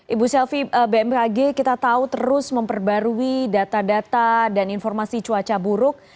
ibu shelfie bmkg kita tahu terus memperbarui data data dan informasi cuaca buruk